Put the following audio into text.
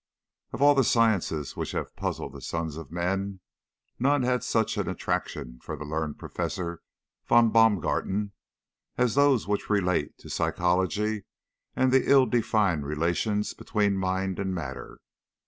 Of all the sciences which have puzzled the sons of men, none had such an attraction for the learned Professor von Baumgarten as those which relate to psychology and the ill defined relations between mind and matter.